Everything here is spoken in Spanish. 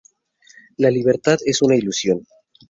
La libertad es una ilusión.